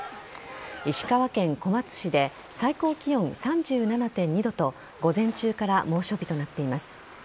石川県小松市で最高気温３７．２度と午前中から猛暑日となっています。